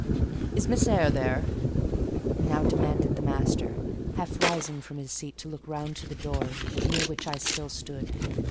"Is Miss Eyre there?" now demanded the master, half rising from his seat to look round to the door, near which I still stood.